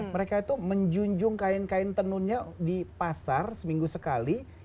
mereka itu menjunjung kain kain tenunnya di pasar seminggu sekali